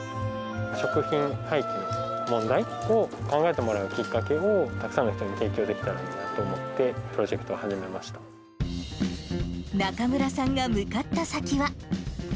食品廃棄の問題を考えてもらうきっかけに、たくさんの人に提供できたらなと思って、プロジェクトを始めまし中村さんが向かった先は。